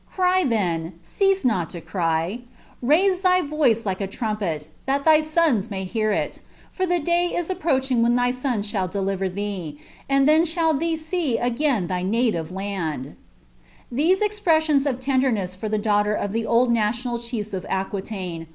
Cry, then— cease not to cry ! Itnise thy fotct like a trumpet, that thy sons may hear it ; for the day is spprotwluif when thy sons shall deliver thee, and then shall thou see aeaiu tliy &■)>•« bnd l'> These expressions of tenderness for the daughter of the old oUtdMl chieb of Aquilaine.